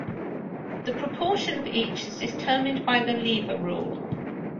The proportion of each is determined by the lever rule.